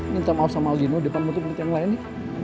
minta maaf sama algino di depanmu untuk menurut yang lain ya